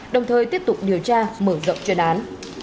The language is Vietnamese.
đồng thời tiếp tục điều tra mở rộng chuyên án